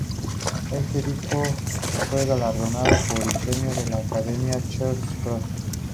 Este disco fue galardonado con el premio de la Academia Charles-Cros.